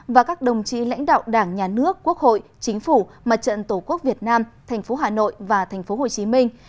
và các đồng chí lãnh đạo đảng nhà nước quốc hội chính phủ mặt trận tổ quốc việt nam tp hà nội và tp hồ chí minh